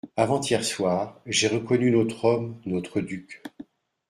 Avant-hier soir, j'ai reconnu notre homme, notre duc.